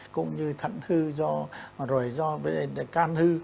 cũng như thận hư do rồi do can hư